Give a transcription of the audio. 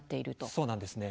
そうなんですね。